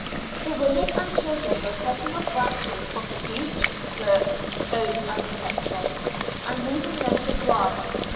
The women and children were cutting off branches from the beech, birch, oak, &c., and leaving them to dry.